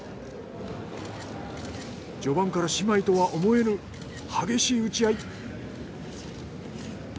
序盤から姉妹とは思えぬ激しい打ち合い。